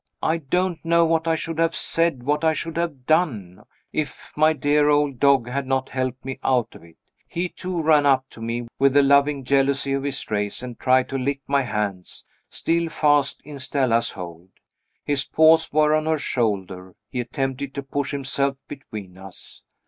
I don't know what I should have said, what I should have done, if my dear old dog had not helped me out of it. He, too, ran up to me, with the loving jealousy of his race, and tried to lick my hands, still fast in Stella's hold. His paws were on her shoulder; he attempted to push himself between us.